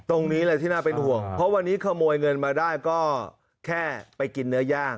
ตรงนี้เลยที่น่าเป็นห่วงเพราะวันนี้ขโมยเงินมาได้ก็แค่ไปกินเนื้อย่าง